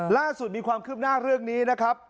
ล่าสุดมีความคืบหน้าเรื่องนี้นะครับ